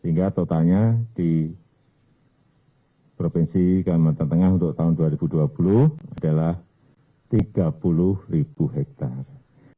hingga totalnya di provinsi kalimantan tengah untuk tahun dua ribu dua puluh adalah tiga puluh ribu hektare